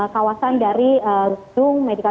kawasan dari dung